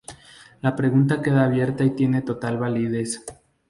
La pregunta queda abierta y tiene total validez.